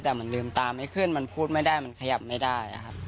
แต่มันลืมตาไม่ขึ้นมันพูดไม่ได้มันขยับไม่ได้ครับ